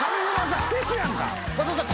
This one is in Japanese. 松本さん。